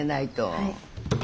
はい。